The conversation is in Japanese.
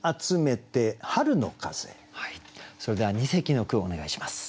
それでは二席の句をお願いします。